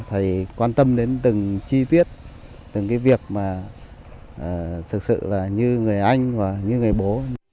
thầy quan tâm đến từng chi tiết từng cái việc mà thực sự là như người anh và như người bố